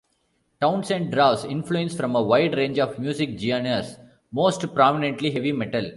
Townsend draws influence from a wide range of music genres, most prominently heavy metal.